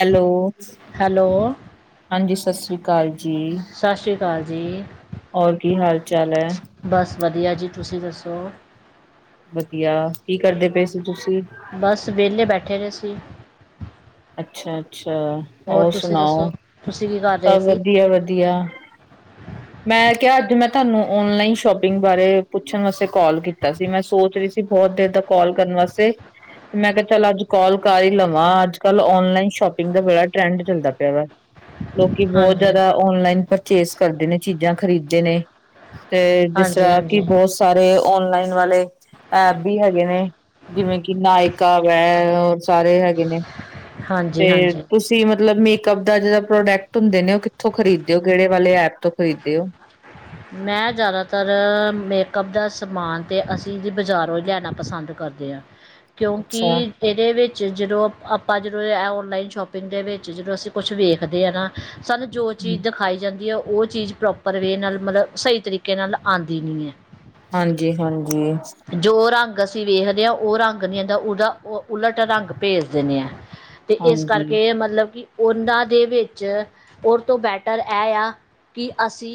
Hello hello ਹਾਂਜੀ ਸਤਿ ਸ੍ਰੀ ਅਕਾਲ ਜੀ ਸਤਿ ਸ਼੍ਰੀ ਅਕਾਲ ਜੀ ਹੋਰ ਕੀ ਹਾਲ ਚਾਲ ਹੈ ਬਸ ਵਧੀਆ ਜੀ ਤੁਸੀਂ ਦੱਸੋ ਵਧੀਆ ਕੀ ਕਰਦੇ ਪਏ ਸੀ ਤੁਸੀਂ ਬਸ [unintelligible] ਅੱਛਾ ਅੱਛਾ ਅੱਛਾ ਹੋਰ ਤੁਸੀਂ ਸੁਣਾਓ ਦੱਸੋ ਤੁਸੀਂ ਕੀ ਕਰ ਰਹੇ ਸਭ ਸੀ ਵਧੀਆ ਵਧੀਆ ਮੈਂ ਕਿਹਾ ਅੱਜ ਮੈਂ ਤੁਹਾਨੂੰ ਓਨਲਾਈਨ ਸ਼ੋਪਿੰਗ ਬਾਰੇ ਪੁੱਛਣ ਵਾਸਤੇ ਕਾਲ ਕੀਤਾ ਸੀ ਮੈਂ ਸੋਚ ਰਹੀ ਸੀ ਬਹੁਤ ਦੇਰ ਤ ਕੋਲ ਕਰਨ ਵਾਸਤੇ ਤੇ ਮੈਂ ਕਿਹਾ ਚੱਲ ਅੱਜ ਕੋਲ ਕਰ ਹੀ ਲਵਾਂ ਅੱਜ ਕੱਲ ਆਨਲਾਈਨ ਸ਼ੋਪਿੰਗ ਦਾ ਬੇੜਾ ਟਰੈਂਡ ਚਲਦਾ ਪਿਆ ਵਾ ਲੋਕੀ ਬਹੁਤ ਹਾਂਜੀ ਜਿਆਦਾ ਔਨਲਾਈਨ ਪਰਚੇਸ ਕਰਦੇ ਨੇ ਚੀਜ਼ਾਂ ਖਰੀਦਦੇ ਨੇ ਤੇ ਜਿਸ ਹਾਂਜੀ ਤਰ੍ਹਾਂ ਕਿ ਹਾਂਜੀ ਬਹੁਤ ਸਾਰੇ ਓਨਲਾਈਨ ਵਾਲੇ ਐਪ ਵੀ ਹੈਗੇ ਨੇ ਜਿਵੇਂ ਕਿ ਨਾਇਕਾ ਵੈ ਹੋਰ ਸਾਰੇ ਹੈਗੇ ਨੇ ਤੇ ਹਾਂਜੀ ਹਾਂਜੀ ਤੁਸੀਂ ਮਤਲਬ ਮੇਕਅਪ ਦਾ ਜਿਹੜਾ ਪ੍ਰੋਡਕਟ ਹੁੰਦੇ ਨੇ ਉਹ ਕਿੱਥੋਂ ਖਰੀਦਦੇਓ ਕਿਹੜੇ ਵਾਲੇ ਐਪ ਤੋਂ ਖਰੀਦਦੇ ਹੋ ਮੈਂ ਜ਼ਿਆਦਾਤਰ ਮੇਕਅਪ ਦਾ ਸਮਾਨ ਅਤੇ ਅਸੀਂ ਬਜ਼ਾਰੋਂ ਲੈਣਾ ਪਸੰਦ ਕਰਦੇ ਹਾਂ ਕਿਉਂਕਿ ਅੱਛਾ ਇਹਦੇ ਵਿੱਚ ਜਦੋਂ ਆਪਾਂ ਜਦੋਂ ਔਨਲਾਈਨ ਸ਼ੋਪਿੰਗ ਦੇ ਵਿੱਚ ਜਦੋਂ ਅਸੀਂ ਕੁਛ ਵੇਖਦੇ ਹ ਨਾ ਸਾਨੂੰ ਜੋ ਚੀਜ਼ ਦਿਖਾਈ ਜਾਂਦੀ ਹੈ ਉਹ ਉਹ ਚੀਜ਼ ਪ੍ਰੋਪਰ ਵੇ ਨਾਲ ਮਤਲਬ ਸਹੀ ਤਰੀਕੇ ਨਾਲ ਆਉਂਦੀ ਨੀ ਹੈ ਹਾਂਜੀ ਹਾਂਜੀ ਜੋ ਰੰਗ ਅਸੀਂ ਵੇਖਦੇ ਹਾਂ ਉਹ ਰੰਗ ਨੀ ਹਂਦਾ ਉਹਦਾ ਉਲਟ ਰੰਗ ਭੇਜ ਦਿੰਦੇ ਆਾਂ ਤੇ ਇਸ ਹਾਂਜੀ ਕਰਕੇ ਮਤਲਬ ਕਿ ਉਹਨਾਂ ਦੇ ਵਿੱਚ ਉਹ ਤੋਂ ਬੈਟਰ ਇਹ ਆ ਕਿ ਅਸੀਂ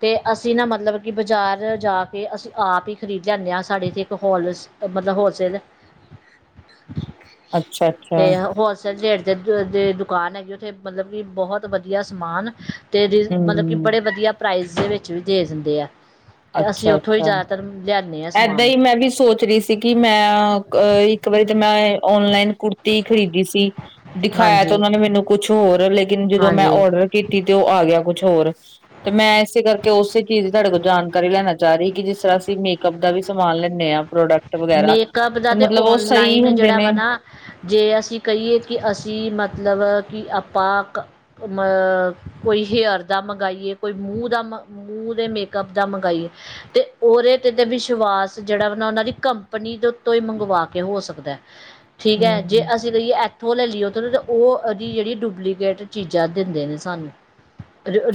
ਤੇ ਅਸੀਂ ਨਾ ਮਤਲਬ ਕਿ ਬਜ਼ਾਰ ਜਾ ਕੇ ਅਸੀਂ ਆਪ ਹੀ ਖ਼ਰੀਦ ਲੈਂਦੇ ਹਾਂ ਸਾਡੇ ਇੱਥੇ ਇੱਕ ਹੋਲ ਮਤਲਬ ਹੋਲਸੇਲ ਤੇ ਅੱਛਾ-ਅੱਛਾ ਹੋਲਸੇਲ ਰੇਟ ਦੇ ਦੇ ਦੁਕਾਨ ਹੈਗੀ ਉੱਥੇ ਮਤਲਬ ਕਿ ਬਹੁਤ ਵਧੀਆ ਸਮਾਨ ਤੇ ਮਤਲਬ ਕਿ ਹੂੰ ਬੜੇ ਵਧੀਆ ਦੇ ਵਿੱਚ ਵੀ ਦੇ ਦਿੰਦੇ ਆ। ਅਤੇ ਅਸੀਂ ਅੱਛਾ ਉੱਥੋਂ ਹੀ ਅੱਛਾ ਜ਼ਿਆਦਾਤਰ ਲਿਆਉਂਦੇ ਹਾਂ ਏਦਾਂ ਸਮਾਨ ਹੀ ਮੈਂ ਵੀ ਸੋਚ ਰਹੀ ਸੀ ਕਿ ਮੈਂ ਅ ਇੱਕ ਵਾਰੀ ਤੇ ਮੈਂ ਓਨਲਾਈਨ ਕੁੜਤੀ ਖਰੀਦੀ ਸੀ ਦਿਖਾਇਆ ਤੇ ਹਾਂਜੀ ਉਹਨਾਂ ਨੇ ਮੈਨੂੰ ਕੁਛ ਹੋਰ [unintelligible] ਲੇਕਿਨ ਜਦੋਂ ਮੈਂ ਹਾਂਜੀ ਔਡਰ ਕੀਤੀ ਤੇ ਉਹ ਆ ਗਿਆ ਕੁਛ ਹੋਰ ਤੇ ਮੈਂ ਇਸੇ ਕਰਕੇ ਉਸੇ ਚੀਜ਼ ਤੁਹਾਡੇ ਕੋਲ ਜਾਣ ਕਾਰੀ ਲੈਣਾ ਚਾਹ ਰਹੀ ਕਿ ਜਿਸ ਤਰ੍ਹਾਂ ਅਸੀਂ ਮੇਕਅੱਪ ਦਾ ਵੀ ਸਮਾਨ ਲੈਂਦੇ ਹਾਂ ਪ੍ਰੋਡਕਟ ਵਗੈਰਾ ਮੇਕਅੱਪ ਦਾ ਤੇ ਤਾਂ ਮਤਲਬ ਉਹ ਸਹੀ ਔਨਲਾਈਨ ਹੁੰਦੇ ਜਿਹੜਾ ਨੇ ਵਾ ਨਾ ਜੇ ਅਸੀਂ ਕਹੀਏ ਕਿ ਅਸੀਂ ਮਤਲਬ ਕਿ ਆਪਾਂ ਕ ਮ ਕੋਈ ਹੇਅਰ ਦਾ ਮੰਗਵਾਈਏ ਕੋਈ ਮੂੰਹ ਦਾ ਮ ਮੂੰਹ ਦੇ ਮੇਕਅੱਪ ਦਾ ਮੰਗਵਾਈਏ ਤੇ ਉਹਦੇ 'ਤੇ ਤਾਂ ਵਿਸ਼ਵਾਸ ਜਿਹੜਾ ਵ ਨਾ ਉਹਨਾਂ ਦੀ ਕੰਪਨੀ ਤੋਂ ਹੀ ਮੰਗਵਾ ਕੇ ਹੋ ਸਕਦਾ ਐ। ਠੀਕ ਹੈ ਜੇ ਹਮ ਅਸੀਂ ਕਹੀਏ। ਉੱਥੋਂ ਲੈ ਲਈ ਓਥ ਉਹ ਉਹਦੀ ਜਿਹੜੀ ਡੁਪਲੀਕੇਟ ਚੀਜ਼ਾਂ ਦਿੰਦੇ ਨੇ ਸਾਨੂੰ।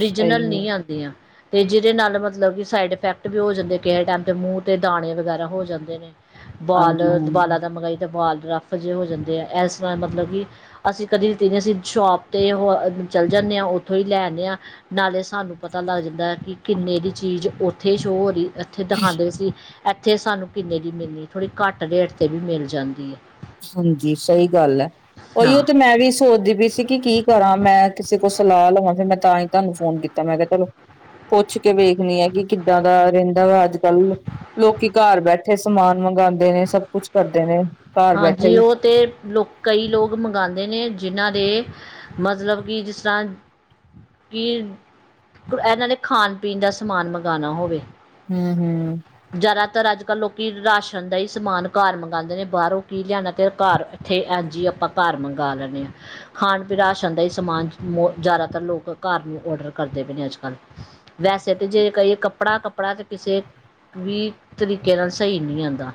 ਰੀਜਨਲ ਹੈ ਨਹੀਂ ਆਦੀਆਂ ਤੇ ਜਿਹਦੇ ਨਾਲ ਮਤਲਬ ਕਿ ਸਾਈਡ ਇਫੈਕਟ ਵੀ ਹੋ ਜਾਂਦੇ ਕਿਸੇ ਟਾਈਮ ਦੇ ਮੂੰਹ ਤੇ ਦਾਣੇ ਵਗੈਰਾ ਹੋ ਜਾਂਦੇ ਤੇ ਨੇ ਹਾਂਜੀ ਹਾਂਜੀ ਬਾਲਾਂ ਦਾ ਮੰਗਾਈਏ ਤਾਂ ਬਾਲ ਰੱਫ ਜਿਹੇ ਹੋ ਜਾਂਦੇ ਆ ਇਸ ਤਰ੍ਹਾਂ ਮਤਲਬ ਕਿ ਅਸੀਂ ਕਦੀ ਤ ਨਹੀਂ ਅਸੀਂ ਸ਼ੋਪ 'ਤੇ ਹੋ ਚੱਲ ਜਾਂਦੇ ਹਾਂ ਉੱਥੋਂ ਹੀ ਲੈ ਆਦੇ ਹਾਂ ਨਾਲੇ ਸਾਨੂੰ ਪਤਾ ਲੱਗ ਜਾਂਦਾ ਕਿ ਕਿੰਨੇ ਇਹ ਦੀ ਚੀਜ਼ ਉੱਥੇ ਸ਼ੋਅ ਹੋ ਰਹੀ ਇੱਥੇ ਦਿਖਾਂਦੇ ਸੀ। ਇੱਥੇ ਸਾਨੂੰ ਕਿੰਨੇ ਦੀ ਮਿਲਣੀ ਥੋੜ੍ਹੀ ਘੱਟ ਰੇਟ 'ਤੇ ਵੀ ਮਿਲ ਜਾਂਦੀ ਹੈ। ਹਾਂਜੀ ਸਹੀ ਗੱਲ ਹੈ ਉਹੀਓ ਹਾਂ ਤੇ ਮੈਂ ਵੀ ਸੋਚਦੀ ਪਈ ਸੀ ਕਿ ਕੀ ਕਰਾਂ ਮੈਂ ਕਿਸੇ ਕੋਲ ਸਲਾਹ ਲਵਾਂ ਫੇਰ ਮੈਂ ਤਾਂ ਹੀ ਤੁਹਾਨੂੰ ਫੋਨ ਕੀਤਾ ਮੈਂ ਕਿਹਾ ਚਲੋ ਪੁੱਛ ਕੇ ਵੇਖਣੀ ਆ ਕਿ ਕਿੱਦਾਂ ਦਾ ਰਹਿੰਦਾ ਵਾ ਅੱਜ ਕੱਲ ਲੋਕੀ ਘਰ ਬੈਠੇ ਸਮਾਨ ਮੰਗਉਂਦੇ ਨੇ ਸਭ ਕੁਛ ਕਰਦੇ ਨੇ ਘਰ ਬੈਠੇ ਹਾਂਜੀ ਹੀ ਉਹ ਤੇ ਲੋਕ ਕਈ ਲੋਕ ਮੰਗਵਾਉਂਦੇ ਨੇ ਜਿਨਾਂ ਦੇ ਮਤਲਬ ਕਿ ਜਿਸ ਤਰ੍ਹਾਂ ਕਿ ਇਹਨਾਂ ਨੇ ਖਾਣ ਪੀਣ ਦਾ ਸਮਾਨ ਮੰਗਵਾਉਣਾ ਹੋਵੇ। ਹੂੰ ਹੂੰ ਲੋਕੀ ਰਾਸ਼ਨ ਦਾ ਹੀ ਸਮਾਨ ਘਰ ਮੰਗਵਾਉਂਦੇ ਨੇ ਬਾਹਰੋਂ ਕੀ ਲਿਆਣਾ ਤੇ ਘਰ ਇੱਥੇ ਐਜੀ ਆਪਾਂ ਘਰ ਮੰਗਵਾ ਲੈਂਦੇ ਹਾਂ ਖਾਣ ਪੀਣ ਰਾਸ਼ਨ ਦਾ ਹੀ ਸਮਾਨ ਜ਼ਿਆਦਾਤਰ ਲੋਕ ਘਰ ਨੂੰ ਔਡਰ ਕਰਦੇ ਪਏ ਨੇ ਅੱਜ ਕੱਲ੍ਹ ਵੈਸੇ ਤਾਂ ਜੇ ਕਈ ਕੱਪੜਾ ਕੱਪੜਾ ਤਾਂ ਕਿਸੇ ਵੀ ਤਰੀਕੇ ਨਾਲ ਸਹੀ ਨਹੀਂ ਆਦਾ।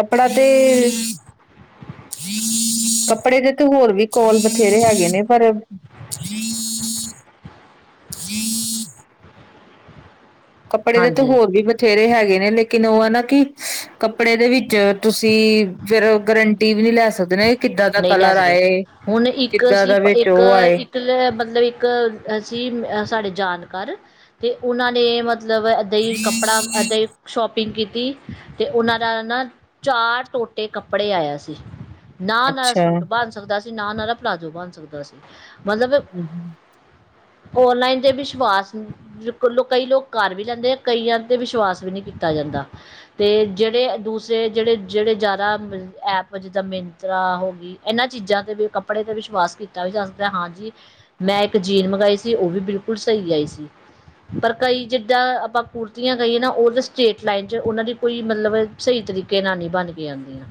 ਕੱਪੜਾ ਤੇ ਕੱਪੜੇ ਦੇ ਤੇ ਹੋਰ ਵੀ ਕੋਲ ਬਥੇਰੇ ਹੈਗੇ ਨੇ ਪਰ ਕੱਪੜੇ ਦੇ ਤੇ ਹਾਂਜੀ ਹੋਰ ਵੀ ਬਥੇਰੇ ਹੈਗੇ ਨੇ ਲੇਕਿਨ ਉਹ ਹੈ ਨਾ ਕਿ ਕੱਪੜੇ ਦੇ ਵਿੱਚ ਤੁਸੀਂ ਫੇਰ ਗਰੰਟੀ ਵੀ ਨਹੀ ਲੈ ਸਕਦੇ ਨੇ ਨਹੀਂ ਲੈ ਸਕਦੇ ਹੁਣ ਇੱਕ ਕਿੱਦਾਂ ਅਸੀਂ ਦਾ ਵਿੱਚ ਇੱਕ ਉਹ ਆਏ ਇੱਕ ਲ ਮਤਲਬ ਇੱਕ ਸੀਂ ਸਾਡੇ ਜਾਨ ਕਰ ਤੇ ਉਹਨਾਂ ਨੇ ਮਤਲਬ ਮਤਲਬ ਅੱਧਾਂ ਹੀ ਕੱਪੜਾ ਅੱਧ ਸ਼ੋਪਿੰਗ ਕੀਤੀ ਤੇ ਉਹਨਾਂ ਦਾ ਨਾ ਚਾਰ ਟੋਟੇ ਕੱਪੜੇ ਆਇਆ ਸੀ ਨਾ ਅੱਛਾ ਸੂਟ ਬਣ ਸਕਦਾ ਸੀ ਨਾ ਉਹ ਦਾ ਪਲਾਜ਼ੋ ਬਣ ਸਕਦਾ ਸੀਂ ਮਤਲਬ ਓਨਲਾਈਨ ਤੇ ਵਿਸ਼ਵਾਸ ਕਈ ਲੋਕ ਕਰ ਵੀ ਲੈਂਦੇ ਕਈਆਂ ਤੇ ਵਿਸ਼ਵਾਸ ਵੀ ਨਹੀ ਤਾ ਜਾਂਦਾ ਤੇ ਜਿਹੜੇ ਦੂਸਰੇ ਜਿਹੜੇ ਜਿਹੜੇ ਜ਼ਿਆਦਾ ਐਪ ਜਿੱਦਾਂ ਮਿੰਤਰਾ ਇਹਨਾਂ ਚੀਜ਼ਾਂ ਤੇ ਵੀ ਕੱਪੜੇ ਤੇ ਵਿਸ਼ਵਾਸ ਕੀਤਾ ਵੀ ਜਾ ਸਕਦਾ ਹਾਂਜੀੀ ਮੈਂ ਇੱਕ ਜੀਨ ਮੰਗਵਾਈ ਸੀ ਉਹ ਵੀ ਬਿਲਕੁਲ ਸਹੀ ਆਈ ਸੀ ਪਰ ਕਈ ਜਿਦਾਂ ਆਪਾਂ ਕੁੜਤੀਆਂ ਕਹੀਏ ਨਾ ਉਹਦੇ ਸਟੇਟ ਲਾਈਨ ਚ ਉਹਨਾਂ ਦੀ ਕੋਈ ਮਤਲਬ ਸਹੀ ਤਰੀਕੇ ਨਾਲ ਨਹੀਂ ਬਣ ਕੇ ਆਉਂਦੀਆਂ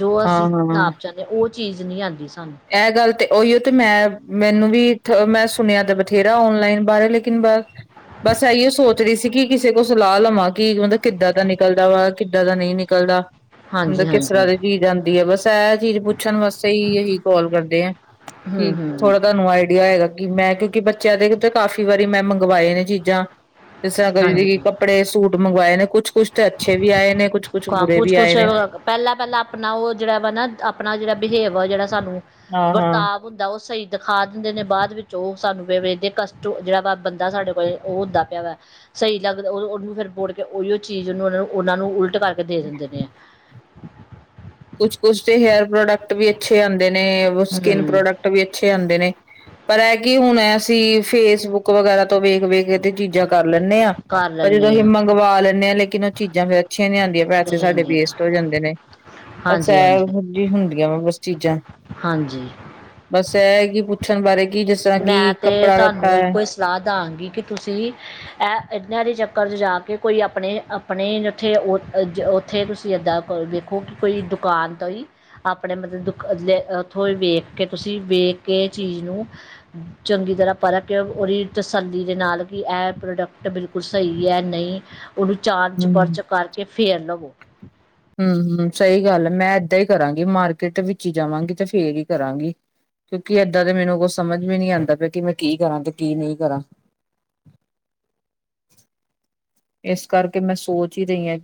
ਜੋ ਅਸੀਂ ਹਾਂ-ਹਾਂ ਨਾ ਤੇ ਉਹ ਚੀਜ਼ ਨਹੀਂ ਆਉਂਦੀ ਸੀ ਇਹ ਗੱਲ ਤੇ ਉਹੀਓ ਤੇ ਮੈਂ ਮੈਨੂੰ ਵੀ ਮੈਂ ਸੁਣਿਆ ਤਾਂ ਬਥੇਰਾ ਔਨਲਾਈਨ ਬਾਰੇ ਲੇਕਿਨ ਬਸ ਬਸ ਇਹੀਓ ਸੋਚ ਰਹੀ ਸੀ ਕਿ ਕਿਸੇ ਕੁਝ ਸਲਾਲ ਲਵਾਂਗੀ ਕਿੱਦਾਂ ਦਾ ਨਿਕਲਦਾ ਵਾ ਕਿੱਦਾਂ ਦਾ ਨਹੀਂ ਨਿਕਲਦਾ ਹਾਂਜੀ ਮਤਲਬ ਕਿਸ ਤਰ੍ਹਾਂ ਹਾਂਜੀ ਦੀ ਚੀਜ਼ ਆਉਂਦੀ ਹੈ ਬਸ ਚੀਜ਼ ਪੁੱਛਣ ਵਾਸਤੇ ਹੀ ਕਾਲ ਕਰਦੇ ਆ ਹੂੰ ਕਿ ਹੂੰ ਥੋੜਾ ਤੁਹਾਨੂੰ ਆਈਡੀਆ ਹੈਏਗਾ ਕਿ ਮੈਂ ਕਿਉਂਕਿ ਬੱਚਿਆਂ ਦੇ ਤੇ ਕਾਫ਼ੀ ਵਾਰੀ ਮੈਂ ਮੰਗਵਾਏ ਨੇ ਚੀਜ਼ਾਂ ਹਾਂਜੀ ਕਪੜੇ ਸੂਟ ਮੰਗਵਾਏ ਨੇ ਕੁਛ ਕੁਛ ਤੇ ਅੱਛੇ ਵੀ ਆਏ ਨੇ ਕੁਛ ਕੁਛ ਹਾਂ ਬੁਰੇ ਵੀ ਕੁਛ ਆਏ ਨ ਜਿ ਪਹਿਲਾਂ ਪਹਿਲਾਂ ਆਪਣਾ ਉਹ ਜਿਹੜਾ ਵਾ ਨਾ ਆਪਣਾ ਜਿਹੜਾ ਬਿਹੇਵ ਜਿਹੜਾ ਸਾਨੂੰ ਵਰਤਾਵ ਹੁੰਦਾ ਉਹ ਸਹੀ ਦਿਖਾ ਦਿੰਦੇ ਨੇ ਬਾਅਦ ਵਿੱਚ ਚ ਸਾਨੂੰ ਕਸਟ ਜਿਹੜਾ ਵਾ ਬੰਦਾ ਸਾਡੇ ਕੋਲ ਉਹ ਹੁੰਦਾ ਪਿਆ ਵਾ [inaudible] ਸਹੀ ਲੱਗਦਾ ਉਹਨੂੰ ਫਿਰ ਬੋੜ ਕੇ ਉਹੀਓ ਚੀਜ਼ ਉਹਨੂੰ ਉਹ ਨੂੰ ਉਹਨਾਂ ਨੂੰ ਉਲਟ ਕਰਕੇ ਦੇ ਦਿੰਦੇ ਨੇ ਆ ਕੁਛ ਕੁਛ ਤੇ ਹੇਅਰ ਪ੍ਰੋਡਕਟ ਵੀ ਅੱਛੇ ਆਦੇ ਨੇ ਸਕਿੰਨ ਹਮ ਪ੍ਰੋਡਕਟ ਵੀ ਅੱਛੇ ਆਉਂਦੇ ਨੇ ਪਰ ਇਹ ਕੀ ਹੁਣ ਐ ਅਸੀਂ ਫੇਸਬੁੱਕ ਵਗੈਰਾ ਤੋਂ ਵੇਖ ਵੇਖ ਤੀਜਾ ਕਰ ਲੈਨੇ ਆ ਕਰ ਪਰ ਜਦੋਂ ਲੈਂਦੇ ਅਸੀਂ ਹਾਂ ਮੰਗਵਾ ਲੈਦੇ ਆ ਲੇਕਿਨ ਉਹ ਚੀਜ਼ਾਂ ਅੱਛੀਆਂ ਨਹੀਂ ਆਉਂਦੀਆਂ ਵ ਪੈਸੇ ਸਾਡੇ ਨਹੀਂ ਵੇਸਟ ਹੋ ਜਾਂਦੇ ਨੇ ਹਾਂਜੀ ਹਾਂਜੀ ਸ਼ੈਲ ਹਾਂਜੀ ਸਬਜ਼ਜੀ ਹੁੰਦੀਆਂ ਵਾ ਬਸ ਚੀਜ਼ਾਂ ਹਾਂਜੀ ਬਸ ਚਗੀ ਪੁੱਛਣ ਬਾਰੇ ਕਿ ਜਿਸ ਤਰ੍ਹਾਂ ਕਿ ਕੱਪੜਾ ਲੱਤਾ ਹੈ ਵਧਾਂਗੀ ਕਿ ਤੁਸੀਂ ਇਹ ਇਨ ਦੇ ਚੱਕਰ ' ਜਾ ਕੇ ਕੋਈ ਆਪਣੇ ਆਪਣੇ ਉੱਥੇ ਉੱਥੇ ਤੁਸੀਂ ਏਦਾਂ ਵੇਖੋ ਕਿ ਕੋਈ ਦੁਕਾਨ ਤੋਂ ਹੀ ਆਪਣੇ ਮਤਲਬ ਦੁਕ ਉੱਥੋਂ ਹੀ ਵੇਖ ਕੇ ਤੁਸੀਂ ਵੇਖ ਕੇ ਚੀਜ਼ ਨੂੰ ਚੰਗੀ ਤਰ੍ਹਾਂ ਪਰ੍ਹ ਕਿ ਉਹਦੀ ਤਸੱਲੀ ਦੇ ਨਾਲ ਕਿ ਇਹ ਪ੍ਰੋਡਕਟ ਬਿਲਕੁਲ ਸਹੀ ਹੈ ਨਹੀਂ ਉਹਨੂੰ ਚਾਰ ਚ ਹੂੰ। ਪਰਚ ਕਰਕੇ ਫੇਿਰ ਲਵੋ ਹਮ ਹਮ ਸਹੀ ਗੱਲ ਹੈ ਮੈਂ ਇਏਦਾਂ ਹੀ ਕਰਾਂਗੀ ਮਾਰਕੀਟ ਵਿੱਚ ਹੀ ਜਾਵਾਂਗੀ ਤੇ ਫੇਰ ਹੀ ਕਰਾਂਗੀ ਕਿਉਂਕਿ ਏਦਾਂ ਦਾ ਮੈਨੂੰ ਕੁ ਸਮਝ ਵੀ ਨੀ ਆਉਂਦਾ ਪਿਆ ਕਿ ਮੈਂ ਕੀ ਕਰਾਂ ਤੇ ਕੀ ਨਹੀਂ ਕਰਾਂ ਇਸ ਕਰਕੇ ਮੈਂ ਸੋਚ ਹੀ ਰਹੀ ਹਾਂ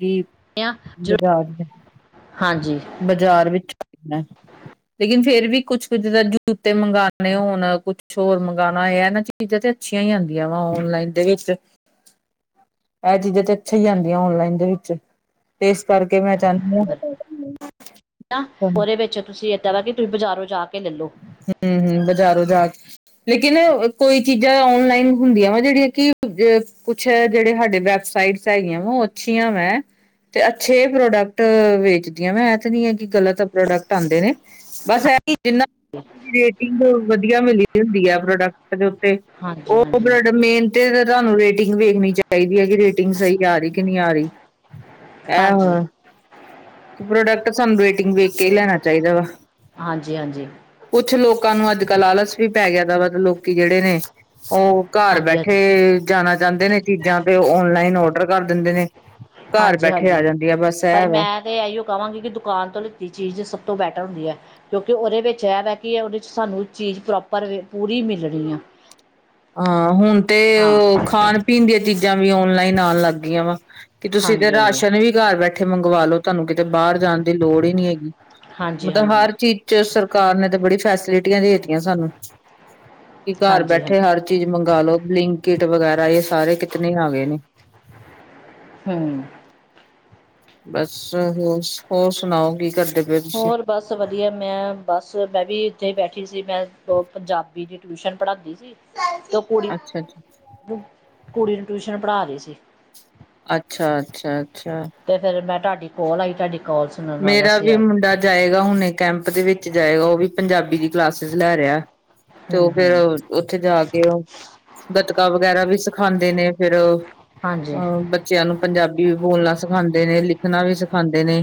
ਬਾਜ਼ਾਰ ਹਾਂਜੀ ਬਾਜ਼ਾਰ ਵਿੱਚ ਲੇਕਿਨ ਫੇਰ ਵੀ ਕੁਛ ਕੁਝ ਜੂਤੇ ਮੰਗਵਾਉਣੇ ਹੋਣ ਕੁਛ ਹੋਰ ਮੰਗਵਾਉਣਾ ਇਹਨਾਂ ਚੀਜ਼ਾਂ ਤੇ ਅੱਛੀਆਂ ਹੀ ਆਉਂਦੀਆਂ ਵਾ ਓਨਲਾਈਨ ਦੇ ਵਿੱਚ ਇਹ ਚੀਜ਼ਾਂ ਤੇ ਅੱਛਾ ਹੀ ਆਦੀਆਂ ਔਨਲਾਈਨ ਦੇ ਵਿੱਚ ਤੇ ਇਸ ਕਰਕੇ ਮੈਂ ਚਾਹੁੰਦੀ ਹਾਂ ਫ ਉਹਦੇ ਵਿੱਚ ਤੁਸੀਂ ਵਾ ਕਿ ਤੁਸੀਂ ਬਜ਼ਾਰੋਂ ਜਾ ਕੇ ਲੈ ਲਓ ਹਮ ਹਮ ਬਜ਼ਾਰੋਂ ਜਾ ਕੇ ਲੇਕਿਨ ਕੋਈ ਚੀਜ਼ਾਂ ਓਨਲਾਈਨ ਹੁੰਦੀਆਂ ਵਾ ਜਿਹੜੀਆਂ ਕਿ ਕੁਛ ਜਿੜੇ ਸਾਡੇ ਵੈਬਸਾਈਟ ਹੈਗੀਆਂ ਵ ਅੱਛੀਆਂ ਵ ਤੇ ਅੱਛੇ ਪ੍ਰੋਡਕਟ ਵੇਚਦੀਆਂ ਵ ਤੇ ਨ ਆ ਕਿ ਗਲਤ ਪ੍ਰੋਡਕਟ ਆਉਂਦੇ ਨੇ ਬਸ ਜਿੰਨਾ ਦੀ ਰੇਟਿੰਗ ਵਧੀਆ ਮਿਲੀ ਹੁੰਦੀ ਹੈ ਪ੍ਰੋਡਕਟ ਦੇ ਤੇ ਹਾਂਜੀ ਉਹ ਹਾਂਜੀ ਬਲਡ ਮਿਹਨਤੀ ਤੁਹਾਨੂੰ ਰੇ ੇਟਿੰਗ ਵੇਖਣੀ ਚਾਹੀਦੀ ਹੈ ਕਿ ਰੇਟਿੰਗ ਸਹੀ ਆ ਰਹੀ ਕਿ ਨਹੀਂ ਆ ਰਹੀ ਹਾਂਜੀ ਆਹੋੋ ਪ੍ਰੋਡਕਟ ਸਾਨੂੰ ਰੇਟਿੰਗ ਵੇਖ ਕੇ ਹੀ ਲੈਣਾ ਚਾਹੀਦਾ ਵਾ ਹਾਂਜੀ ਹਾਂਜੀ ਕੁਛ ਲੋਕਾਂ ਨੂੰ ਅੱਜ ਕੱਲ੍ਹ ਆਲਸ ਵੀ ਪੈ ਗਿਆ ਵਾ ਲੋਕੀ ਜਿਹੜੇ ਨੇ ਉਹ ਘਰ ਹਾਂਜੀ ਬੈਠੇ ਜਾਣਾ ਚਾਹੁੰਦੇ ਨੇ ਚੀਜ਼ਾਂ ਤੇ ਓਨਲਾਈਨ ਔਡਰ ਕਰ ਦਿੰਦੇ ਨੇ ਘਰ ਹਾਂਜੀ ਬੈਠੇ ਹਾਂਜੀ ਆ ਜਾਂਦੀ ਆ ਬਸ ਪਰ ਇਹ ਵਾ ਮੈਂ ਤੇ ਇਹੀਓ ਕਵਾਂਗੀ ਕਿ ਦੁਕਾਨ ਤੋਂ ਲਿੱਤੀ ਚੀਜ਼ ਸਭ ਤੋਂ ਬੈਟਰ ਹੁੰਦੀ ਹੈ ਕਿਉਂਕਿ ਉਹਦੇ ਵਿੱਚ ਇਹ ਵੈ ਕਿ ਹੈ ਉਹਦੇ ਚ ਸਾਨੂੰ ਚੀਜ਼ ਪ੍ਰੋਪਰ ਵ ਪੂਰੀ ਮਿਲਣੀ ਆ ਹਾਂ ਹੁਣ ਤੇ ਹਾਂ ਉਹ ਖਾਣ ਪੀਣ ਦੀਆਂ ਚੀਜ਼ਾਂ ਜਾਂ ਵੀ ਔਨਲਾਈਨ ਆਉਣ ਲੱਗ ਗਈਆਂ ਵਾ ਕਿ ਤੁਸੀਂ ਤੇ ਹਾਂਜੀ ਹਾਂਜੀ ਰਾਸ਼ਨ ਵੀ ਘਰ ਬੈਠੇ ਇੱਥੇ ਮੰਗਵਾ ਲੋ ਤੁਹਾਨੂੰ ਕਿਤੇ ਬਾਹਰ ਜਾਣ ਦੀ ਲੋੜ ਹੀ ਨਹੀਂ ਹੈਗੀ ਹਾਂਜੀ ਮਤਲਬ ਹਾਂਜੀ ਹਰ ਚੀਜ਼ ਚ ਸਰ ਸਰਕਾਰ ਨੇ ਤਾਂ ਬੜੀ ਫੈਸਿਲਿਟੀਆਂ ਦੇਤੀਆਂ ਸਾਨੂੰ ਕਿ ਘਰ ਹਾਂਜੀ ਹਾਂਜੀ ਬੈਠੇ ਹਰ ਚੀਜ਼ ਮੰਗਾਲੋ ਬਲਿੰਕ ਕਿਟ ਵਗੈਰਾ ਇਹ ਸਾਰੇ ਕਿਤਨੇ ਆ ਗਏ ਨੇ ਹੂੰ ਬਸ ਹੋਰ ਹੋਰ ਸੁਣਾਓ ਕੀ ਕਰਦੇ ਪਏ ਤੁਸੀਂ ਹੋਰ ਬਸ ਵਧੀਆ ਮੈਂ ਬਸ ਮੈਂ ਵੀ ਉੱਥੇ ਬੈਠੀ ਸੀ ਮੈਂ ਉਹ ਪੰਜਾਬੀ ਦੀ ਟਿਊਸ਼ਨ ਪੜ੍ਹਾਂਦੀ ਸੀ ਉਹ ਕੁੜੀ ਅੱਛਾ ਅੱਛਾ ਕੁੜੀ ਨੂੰ ਟਿਊਸ਼ਨ ਪੜ੍ਹਾ ਰਹੀ ਸੀ ਅੱਛਾ ਅੱਛਾ ਅੱਛਾ ਤੇ ਫੇਰ ਮੈਂ ਤੁਹਾਂਡਾ ਕਾਲ ਆਈ ਤੁਹਾਡੀ ਕੋਲ ਸੁਣਨ ਮੇਰਾ ਵਾਸਤੇ ਵੀ ਆ ਗਈ ਮੁੰਡਾ ਜਾਏਗਾ ਹੁਣੇ ਕੈਂਪ ਦੇ ਵਿੱਚ ਜਾਏਗਾ ਉਹ ਵੀ ਪੰਜਾਬੀ ਦੀ ਕਲਾਸਿਸ ਲੈ ਰਿਹਾ ਤੇ ਹਮ ਉਹ ਫੇਰ ਹਮ ਉੱਥੇ ਜਾ ਕੇ ਉਹ ਗਤਕਾ ਵਗੈਰਾ ਵੀ ਸਿਖਾਂਦੇ ਨੇ ਫੇਰ ਹਾਂਜੀ ਹਾਂ ਬੱਚਿਆਂ ਨੂੰ ਪੰਜਾਬੀ ਵੀ ਬੋਲਣਾ ਸਿਖਾਂਦੇ ਨੇ ਲਿਖਣਾ ਵੀ ਸਿਖਾਂਦੇ ਨੇ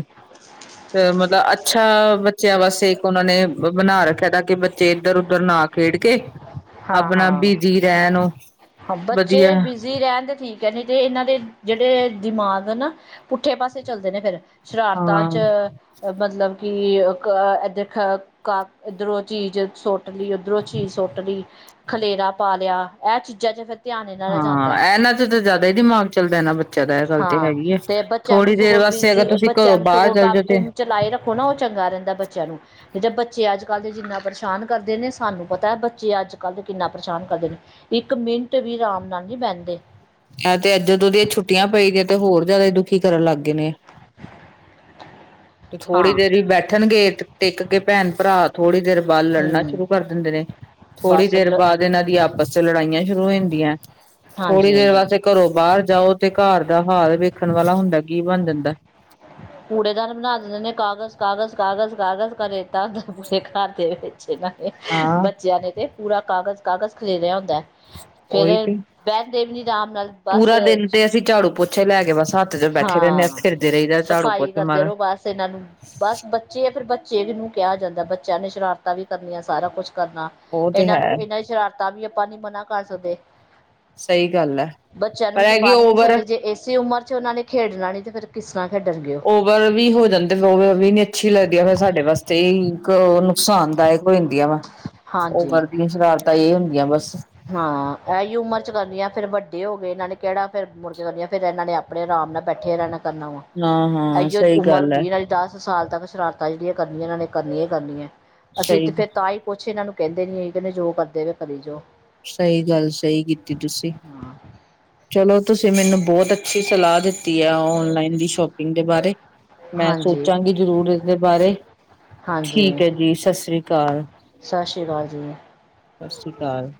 ਤੇ ਮਤਲਬ ਅੱਛਾ ਬੱਚਿਆਂ ਵਾਸਤੇ ਇੱਕ ਉਹਨਾਂ ਨੇ ਬਣਾ ਰੱਖਿਆ ਤਾਂ ਕਿ ਬੱਚੇ ਇੱਧਰ ਉਧਰ ਨਾ ਖੇਡ ਕੇ ਹਾਂ ਆਪਣਾ ਹਾਂ ਬਿਜੀ ਰਹਿਣ ਉਹ ਹਾਂ ਵਧੀਆ ਬੱਚੇ ਬਿਜੀ ਰਹਿਣ ਦੇ ਠੀਕ ਹੈ ਨਹੀਂ ਤੇ ਇਹਨਾਂ ਦੇ ਜਿਹੜੇ ਦਿਮਾਗ ਨਾ ਪੁੱਠੇ ਪਾਸੇ ਚੱਲਦੇ ਨੇ ਫੇਰ ਸ਼ਰਾਰਤਾਂ ਹਾਂ ਚ ਮਤਲਬ ਕਿ ਇਹ ਦੇਖ ਇੱਧਰੋਂ ਚੀਜ਼ ਸੁੱਟ ਲਈ ਉੱਧਰੋਂ ਚੀਜ਼ ਸੁੱਟ ਲਈ ਖਲੇਰਾ ਪਾ ਲਿਆ ਇਹ ਚੀਜ਼ਾਂ ਚ ਫਿਰ ਧਿਆਨ ਇਹਨਾਂ ਦਾ ਹਾਂ ਜਾਂਦਾ ਇਹਨਾਂ ਚ ਤਾਂ ਜ਼ਿਆਦਾ ਹੀ ਦਿਮਾਗ ਚੱਲਦਾ ਇਹਨਾ ਬੱਚਿਆਂ ਦਾ ਇਹ ਗੱਲ ਤੇ ਹਾਂ ਹੈਗੀ ਹੈ ਤੇ ਬੱਚਿਆਂ ਨੂੰ ਥੋੜ੍ਹੀ ਦੇਰ ਸਗੋਂ ਵਾਸਤੇ ਅਗਰ ਬਿਜ਼ੀ ਤੁਸੀਂ ਘਰੋਂ ਬੱਚਿਆਂ ਨੂੰ ਬਾਹਰ ਸਗੋਂ ਚੱਲ ਕੰਮ ਜਾਓ ਤੇ ਕੁਮ ਚਲਾਏ ਰੱਖੋ ਨਾ ਉਹ ਚੰਗਾ ਰਹਿੰਦਾ ਬੱਚਿਆਂ ਨੂੰ ਨਹੀਂ ਤਾਂ ਬੱਚੇ ਅੱਜ ਕੱਲ ਦੇ ਜਿੰਨਾ ਪਰੇਸ਼ਾਨ ਕਰਦੇ ਨੇ ਸਾਨੂੰ ਪਤਾ ਬੱਚੇ ਅੱਜ ਕੱਲ ਤੇ ਕਿੰਨਾ ਪਰੇਸ਼ਾਨ ਕਰਦੇ ਨੇ ਇੱਕ ਮਿੰਟ ਵੀ ਰਾਮ ਨਾਲ ਨੀ ਬਹਿੰਦੇ ਇਹ ਤੇ ਕੀ ਕਰਨ ਲੱਗ ਗਏ ਨੇ ਥੋੜ੍ਹੀ ਹਾਂ ਦੇਰ ਵੀ ਬੈਠਣਗੇ ਟਿੱਕ ਕੇ ਭੈਣ ਭਰਾ ਥੋੜ੍ਹੀ ਦੇਰ ਬਾਅਦ ਲੜਨਾ ਹੂੰ ਸ਼ੁਰੂ ਕਰ ਦਿੰਦੇ ਨੇ ਥੋੜੀ ਬਸ ਦੇਰ ਲ ਬਾਅਦ ਇਹਨਾਂ ਦੀ ਆਪ ਬੱਸ ਚ ਲੜਾਈਆਂ ਸ਼ੁਰੂ ਹੋ ਜਾਂਦੀਆਂ ਥੋੜ੍ਹੀ ਹਾਂਜੀ ਦੇਰ ਹਾਂਜੀ ਵਾਸਤੇ ਘਰੋਂ ਬਾਹਰ ਜਾਓ ਤੇ ਘਰ ਦਾ ਹਾਲ ਵੇਖਣ ਵਾਲਾ ਹੁੰਦਾ ਕੀ ਬਣ ਜਾਂਦਾ ਕੂੜੇਦਾਨ ਬਣਾ ਦਿੰਦੇ ਨੇ ਕਾਗਜ਼ ਕਾਗਜ਼ ਕਾਗਜ਼ ਕਾਗਜ਼ ਘਰੇ ਤੱਸਦਾ ਪੂਰੇ ਘਰ ਦੇ ਵਿੱਚ ਨੇ ਹਾਂ ਬੱਚਿਆਂ ਨੇ ਤੇ ਪੂਰਾ ਕਾਗਜ਼ ਕਾਗਜ਼ ਖਰੀਦਿਆ ਹੁੰਦਾ ਹੈ ਫਿਰ ਉਹੀ ਤੇ। ਵੈਸ਼ਨੋ ਦੇਵੀ ਰਾਮ ਨਾਲ ਬਸ ੱੇ ਲੈ ਗ ਬਸ ਹੱਥ ਚ ਬੈਠੇ ਰਹਿੰਦੇ ਹਾਂ ਫਿਰਦੇ ਰਹੀਦਾ ਝਾੜੂ ਸਫਾਈ ਪੋਛੇ ਕਰਦੇ ਮਾਰ ਰਹੋ ਬਸ ਇਹਨਾਂ ਨੂੰ ਬਸ ਬੱਚੇ ਆ ਫਿਰ ਚੇ ਨੂੰ ਕਿਹਾ ਜਾਂਦਾ ਬੱਚਿਆਂ ਨੇ ਸ਼ਰਾਰਤਾਂ ਵੀ ਕਰਨੀਆਂ ਸਾਰਾ ਕੁਛ ਕਰਨਾ ਉਹ ਤੇ ਇਹਨਾਂ ਨੂੰ ਹੈ ਇਹਨਾਂ ਦੀ ਸ਼ਰਾਰਤਾਂ ਵੀ ਆਪਾਂ ਨੀ ਮਨਾ ਕਰ ਸਕਦੇ ਸਹੀ ਗੱਲ ਹੈ ਬੱਚਿਆਂ ਨੂੰ ਪਰ ਅਸੀਂ ਹੈਗੀ ਬਣ ਵੀ ਨਹੀਂੀ ਸਕਦੇ ਓਵਰ ਜੇ ਇਸੇ ਉਮਰ ਉਹਨਾਂ ਨੇ ਖੇਡਣਾੀ ਤੇ ਫਿਰ ਕਿਸੇ ਓਵਰ ਵੀ ਹੋ ਜਾਂਦੇ ਫ ਓਵਰ ਵੀ ਨੀ ਅੱਛੀ ਲੱਗਦੀ ਹੈ ਫਿਰ ਸਾਡੇ ਵਾਸਤੇ ਇੱਕ ਨੁਕਸਾਨਦਾਇਕ ਦੀਆਂ ਵਾ ਹਾਂਜੀ ਉਮਰ ਦੀਆਂ ਸ਼ਰਾਰਤਾਂ ਇਹ ਹੁੰਦੀਆਂ ਗਿਆ ਬਸ ਫੇਿਰ ਵੱਡੇ ਹੋ ਗਏ ਇਹਨਾਂ ਨੇ ਕਿਹੜਾ ਫਿਰ ਮੁੜ ਕੇ ਦਂਦੀਆ ਫੇਿਰ ਇਹਨਾਂ ਨੇ ਆਪਣੇ ਆਰਾਮ ਨਾਲ ਬੈਠੇ ਰਹਿਣ ਕਰਨਾ ਵਾ ਹਾਂ ਹਾਂ ਅਜ ਸਹੀ ਉਮਰ ਗੱਲ ਹੈ ਦੀ ਇਹਨਾਂ ਦੀ ਦਸ ਸਾਲ ਤੱਕ ਸ਼ਰਾਰਤਾਂ ਜਿਹੜੀਆਂ ਕਰਨੀਆਂ ਇਹਨਾਂ ਨੇ ਕਰਨੀ ਹੀ ਕਰਨੀ ਹੈ ਅਸੀਂ ਤੇ ਸਹੀ ਫੇਰ ਤਾਂ ਹੀ ਪੁੱਛੇ ਇਹਨਾਂ ਨੂੰ ਕਹਿੰਦੇ ਨੀ ਇਹ ਕਹਿੰਦੇ ਜੋ ਕਰਦੇ ਵ ਕਰਦੇ ਜੋ ਸਹੀ ਗੱਲ ਸਹੀ ਕੀਤੀ ਤੁਸੀਂ ਚਲੋ ਤੁਸੀਂ ਮੈਨੂੰ ਬਹੁਤ ਅੱਛੀ ਸਲਾਹ ਦਿੱਤੀ ਆ ਉਹ [unintelligible] ਦੀ ਸ਼ੋਪਿੰਗ ਦੇ ਬਾਰੇ ਮੈਂ ਹਾਂਜੀ ਸੋਚਾਂਗੀ ਜ਼ਰੂਰ ਇਸਦੇ ਬਾਰੇ ਠੀਕ ਹਾਂਜੀ ਹੈ ਜੀ ਸਤਿ ਸ੍ਰੀ ਅਕਾਲ, ਸਤਿ ਸ਼੍ਰੀ ਅਕਾਲ ਜੀ ਸਤਿ ਸ੍ਰੀ ਅਕਾਲ।